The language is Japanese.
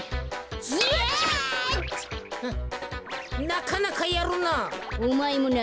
なかなかやるな。